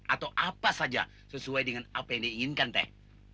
atau apa saja sesuai dengan apa yang diinginkan teh